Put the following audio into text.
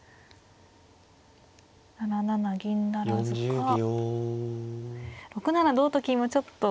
７七銀不成か６七同と金はちょっと。